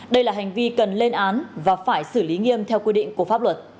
đây là hành vi cần lên án và phải xử lý nghiêm theo quy định